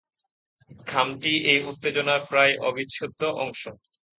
খামটি এই উত্তেজনার প্রায় অবিচ্ছেদ্য অংশ।